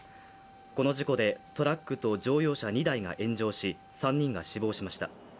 この事故でトラックと乗用車２台が炎上し、３人が死亡しました。